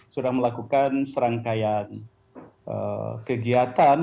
sudah melakukan serangkaian kegiatan